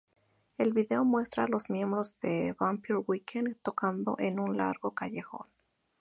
El video muestra a los miembros de Vampire Weekend tocando en un largo callejón.